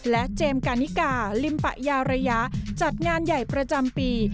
เจมส์กานิกาลิมปะยาระยะจัดงานใหญ่ประจำปี